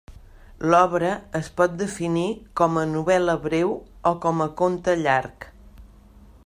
L'obra es pot definir com a novel·la breu o com a conte llarg.